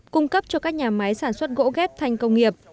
cung cấp cho các nhà máy sản xuất gỗ ghép thành công nghiệp